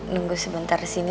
nunggu sebentar disini